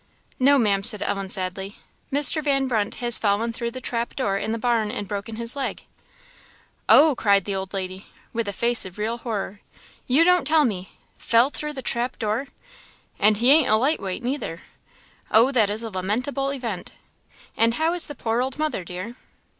"No, Ma'am," said Ellen, sadly, "Mr. Van Brunt has fallen through the trap door in the barn and broken his leg." "Oh!" cried the old lady, with a face of real horror "you don't tell me! Fell through the trap door! and he ain't a light weight neither; oh, that is a lamentable event! And how is the poor old mother, dear?"